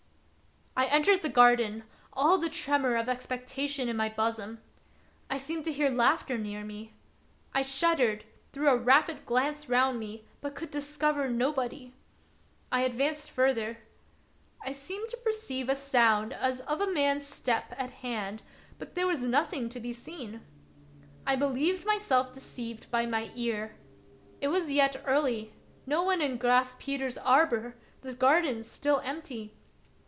I entered the garden, all the tremor of expec tation in my bosom. I seemed to hear laughter near me. I shuddered, threw a rapid glance round me, but could discover nobody. I ad vanced farther. I seemed to perceive a sound as of man's steps at hand, but there was nothing to be seen. I believed myself deceived by my ear. It was yet early, no one in Graf Peter's arbor, the garden still empty.